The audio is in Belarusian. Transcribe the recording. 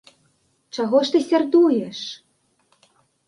Чаго ж ты сярдуеш?